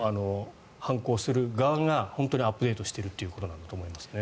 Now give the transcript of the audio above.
犯行する側が本当にアップデートしているということだと思いますね。